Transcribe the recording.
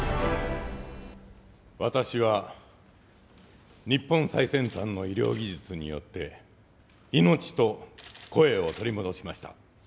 私は日本最先端の医療技術によって命と声を取り戻しました。